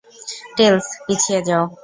Tales, পিছিয়ে যাও।